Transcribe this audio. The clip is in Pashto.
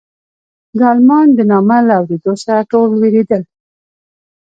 د المان د نامه له اورېدو سره ټول وېرېدل.